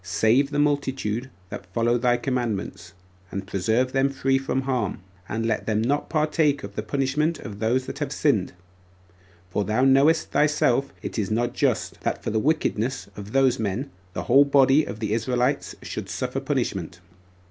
Save this multitude that follow thy commandments, and preserve them free from harm, and let them not partake of the punishment of those that have sinned; for thou knowest thyself it is not just, that for the wickedness of those men the whole body of the Israelites should suffer punishment."